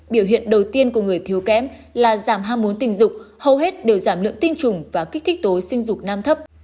biểu hiện đầu tiên của người thiếu kém là giảm ham muốn tình dục hầu hết đều giảm lượng tinh trùng và kích thích tối sinh dục nam thấp